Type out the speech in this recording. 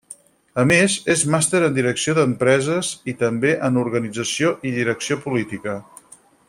A més, és màster en direcció d'empreses i també en organització i direcció política.